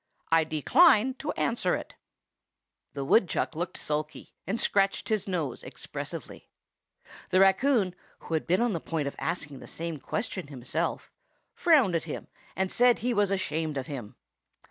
I decline to answer it!" The woodchuck looked sulky, and scratched his nose expressively. The raccoon, who had been on the point of asking the same question himself, frowned at him, and said he was ashamed of him.